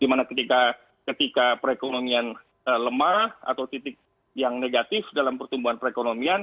dimana ketika perekonomian lemah atau titik yang negatif dalam pertumbuhan perekonomian